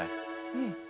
うん。